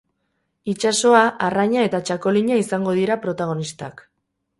Itsasoa, arraina eta txakolina izango dira protagonistak.